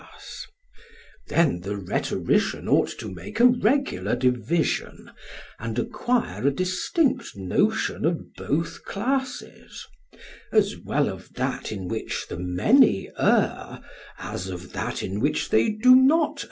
SOCRATES: Then the rhetorician ought to make a regular division, and acquire a distinct notion of both classes, as well of that in which the many err, as of that in which they do not err?